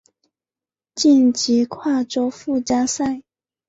晋级跨洲附加赛。